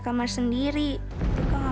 kamu lagi di mana